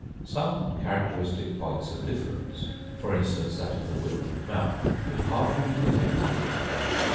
Some characteristic points of difference—for instance, that of the width of mouth—could hardly be detected in the young.